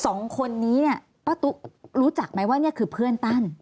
สองคนนี้เนี่ยป้าตุ๊กรู้จักไหมว่านี่คือเพื่อนตั้น